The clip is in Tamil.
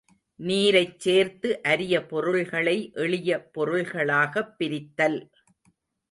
நீரைச்சேர்த்து அரிய பொருள்களை எளிய பொருள்களாகப் பிரித்தல்.